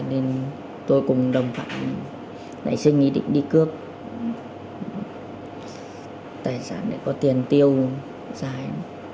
nên tôi cùng đồng phạm lại xin ý định đi cướp tài sản để có tiền tiêu dài